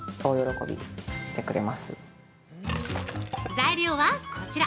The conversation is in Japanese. ◆材料はこちら。